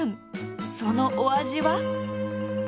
そのお味は？